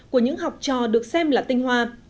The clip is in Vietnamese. của những học trò được xem là tinh hoa